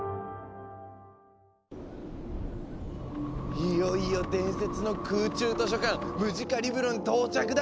いよいよ伝説の空中図書館ムジカリブロに到着だ！